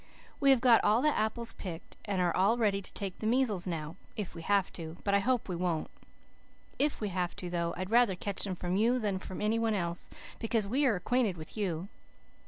We have got all the apples picked, and are all ready to take the measles now, if we have to, but I hope we won't. If we have to, though, I'd rather catch them from you than from any one else, because we are acquainted with you.